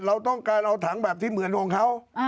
เราต้องการเอาถังแบบที่เหมือนของเขา